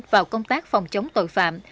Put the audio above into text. vào công tác phòng chống tội phạm